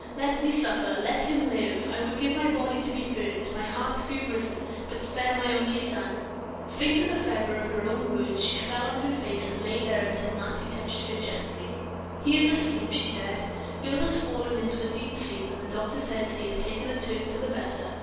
let me suffer, let him live! I would give my body to be burned, my heart to be riven but spare my only son!" Faint with the fervor of her own words, she fell on her face, and there lay till Mattie touched her gently. "He is asleep," she said; "Earle has fallen into a deep sleep, and the doctor says he has taken a turn for the better."